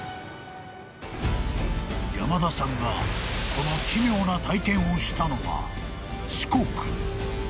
［山田さんがこの奇妙な体験をしたのは］